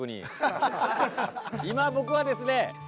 今僕はですね